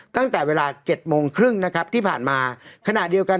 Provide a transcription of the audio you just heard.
ตั้งแต่เวลาเจ็ดโมงครึ่งนะครับที่ผ่านมาขณะเดียวกัน